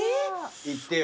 いってよ。